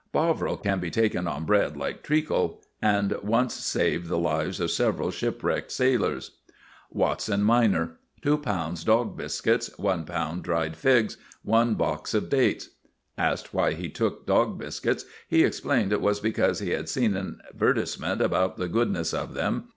(Bovril can be taken on bread like treacle, and once saved the lives of several shipwrecked sailors.) WATSON MINOR. Two pounds dog biscuits, one pound dried figs, one box of dates. (Asked why he took dog biscuits, he explained it was because he had seen an advertisement about the goodness of them.